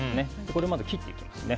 これをまず切っていきます。